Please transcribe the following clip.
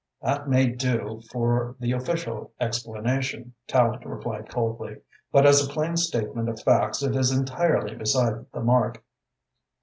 "That may do for the official explanation," Tallente replied coldly, "but as a plain statement of facts it is entirely beside the mark.